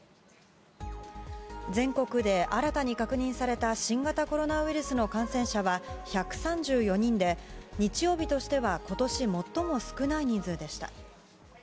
全国で新たに確認された新型コロナウイルスの感染者は１３４人で日曜日としては今年最も少ない人数でした。